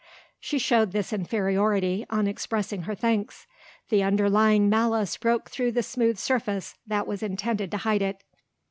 She showed this inferiority on expressing her thanks. The underlying malice broke through the smooth surface that was intended to hide it.